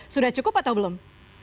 sudah cukup atau belum